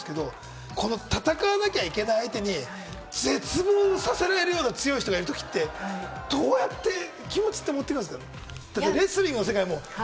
あと思うんですけれども、戦わなきゃいけない相手に絶望をさせられるような強い人がいるときって、登坂さん、どうやって気持ちって持っていくんですか？